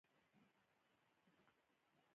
• بادام د خوشحالۍ او سکون لپاره ګټور دي.